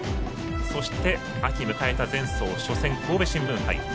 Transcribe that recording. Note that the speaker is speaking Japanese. そして、秋迎えた前走神戸新聞杯。